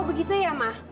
oh begitu ya ma